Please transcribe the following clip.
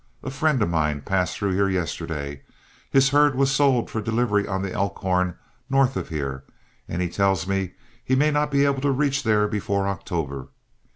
A friend of mine passed through here yesterday; his herd was sold for delivery on the Elkhorn, north of here, and he tells me he may not be able to reach there before October.